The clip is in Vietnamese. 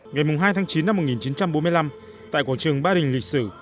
ngày hai tháng chín năm một nghìn chín trăm bốn mươi năm tại quảng trường ba đình lịch sử